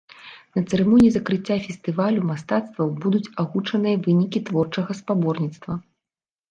На цырымоніі закрыцця фестывалю мастацтваў будуць агучаныя вынікі творчага спаборніцтва.